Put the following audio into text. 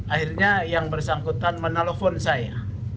akhirnya yang bersangkutan menelpon saya